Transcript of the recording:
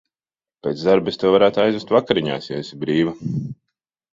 Pēc darba es tevi varētu aizvest vakariņās, ja esi brīva.